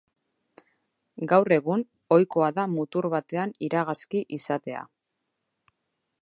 Gaur egun, ohikoa da mutur batean iragazki izatea.